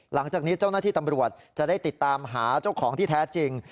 หลังจากนี้เจ้าหน้าที่ตำรวจจะได้ติดตามหาเจ้าของที่แท้จริง